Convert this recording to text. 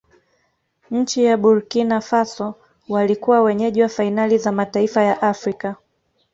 nchi ya burkina faso walikuwa wenyeji wa fainali za mataifa ya afrika